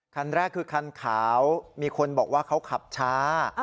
คันแรกคือคันขาวมีคนบอกว่าเขาขับช้า